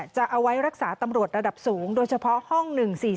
จะเอาไว้รักษาตำรวจระดับสูงโดยเฉพาะห้อง๑๔๔